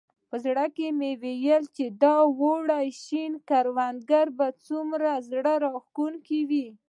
په زړه مې ویل چې د اوړي شنې کروندې څومره زړه راښکونکي وي.